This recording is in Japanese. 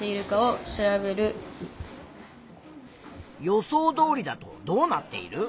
予想どおりだとどうなっている？